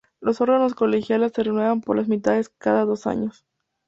Los órganos colegiados se renuevan por mitades cada dos años.